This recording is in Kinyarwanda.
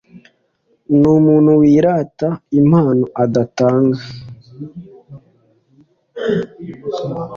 numuntu wirata impano adatanga